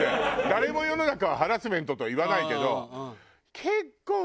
誰も世の中はハラスメントとは言わないけど。